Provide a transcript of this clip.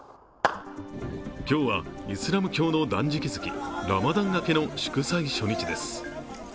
今日はイスラム教の断食月ラマダン明けの祝祭初日です。